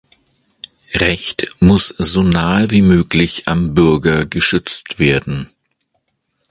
Recht muss so nahe wie möglich am Bürger geschützt werden.